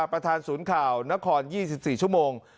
ประธานศูนย์ข่าวนคร๒๔ชั่วโมง